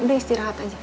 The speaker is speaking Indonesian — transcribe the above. udah istirahat aja